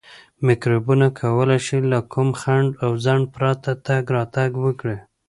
میکروبونه کولای شي له کوم خنډ او ځنډ پرته تګ راتګ وکړي.